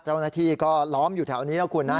เจ้าหน้าที่ก็ล้อมอยู่แถวนี้นะคุณนะ